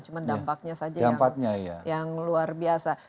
cuma dampaknya saja yang luar biasa